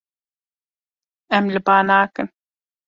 Em li ba nakin.